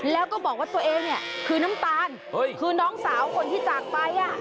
แล้วก็บอกว่าตัวเองเนี่ยคือน้ำตาลคือน้องสาวคนที่จากไป